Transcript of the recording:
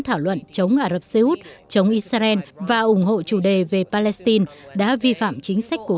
thảo luận chống ả rập xê út chống israel và ủng hộ chủ đề về palestine đã vi phạm chính sách của